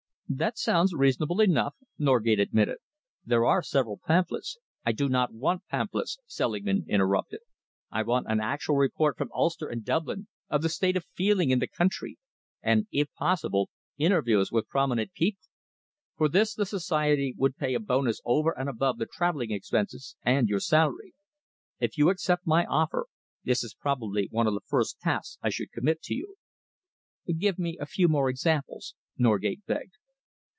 "That sounds reasonable enough," Norgate admitted. "There are several pamphlets " "I do not want pamphlets," Selingman interrupted. "I want an actual report from Ulster and Dublin of the state of feeling in the country, and, if possible, interviews with prominent people. For this the society would pay a bonus over and above the travelling expenses and your salary. If you accept my offer, this is probably one of the first tasks I should commit to you." "Give me a few more examples," Norgate begged.